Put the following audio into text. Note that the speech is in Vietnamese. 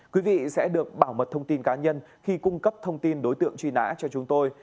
quý vị sẽ được bảo mật thông tin cá nhân khi cung cấp thông tin đối tượng truy nã cho chúng tôi